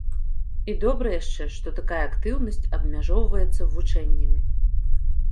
І добра яшчэ, што такая актыўнасць абмяжоўваецца вучэннямі.